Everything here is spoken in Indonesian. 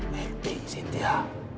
pernah gak sintia